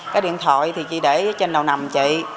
cái điện thoại thì chị để trên đầu nằm chị